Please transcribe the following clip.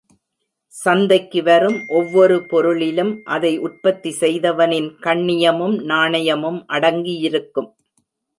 சந்தைக்கு வரும் ஒவ்வொரு பொருளிலும் அதை உற்பத்தி செய்தவனின் கண்ணியமும் நாணயமும் அடங்கியிருக்கும்.